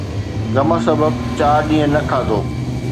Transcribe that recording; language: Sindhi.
غم سبب چار ڏينهن نه کاڌو